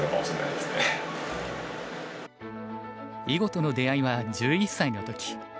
囲碁との出会いは１１歳の時。